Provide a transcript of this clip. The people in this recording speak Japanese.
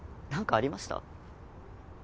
なんかありました？